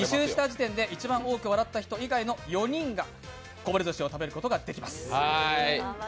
２周した時点で一番多く笑った人以外の４人がこぼれ寿司を食べることができます。